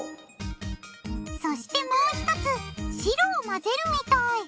そしてもうひとつしろをまぜるみたい。